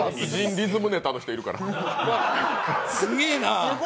リズムネタの人いるから。